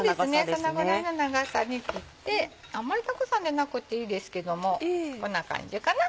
そのぐらいの長さに切ってあんまりたくさんでなくていいですけどもこんな感じかな。